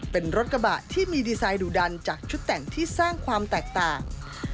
เป็นรถกระบะที่มีดีไซน์ดูดันจากชุดแต่งที่สร้างความแตกต่าง